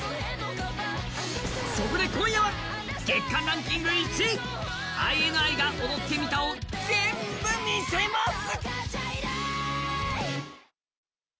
そこで今夜は月間ランキング１位、ＩＮＩが踊ってみたを全部見せます！